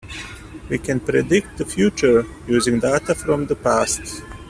We can predict the future, using data from the past.